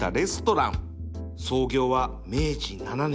創業は明治７年